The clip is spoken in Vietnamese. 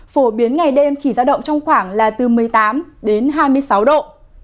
phổ biến ngày đêm chỉ giao động trong khoảng là từ một mươi tám đến hai mươi sáu độ